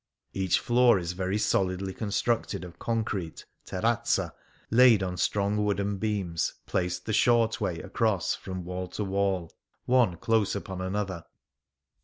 Each floor is very solidly constructed of concrete {teri'ozza) laid on strong wooden beams placed the short way across from wall to wall, one close upon another.